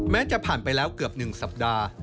จะผ่านไปแล้วเกือบ๑สัปดาห์